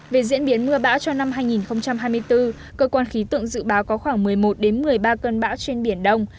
về diễn biến mưa bão cho năm hai nghìn hai mươi bốn cơ quan khí tượng dự báo có khoảng một mươi một một mươi ba cơn bão trên biển đông